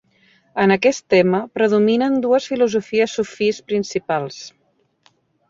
En aquest tema predominen dues filosofies sufís principals.